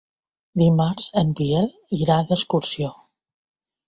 Dimarts en Biel irà d'excursió.